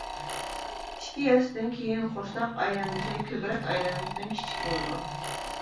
ئىككى ياشتىن كېيىن قورساق ئايلانمىسى كۆكرەك ئايلانمىسىدىن كىچىك بولىدۇ.